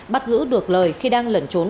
bắt giữ được lời khi đang lẩn trốn